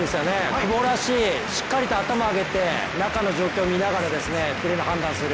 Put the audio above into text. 久保らしいしっかりと頭を上げて、中の状況見ながらプレーの判断する。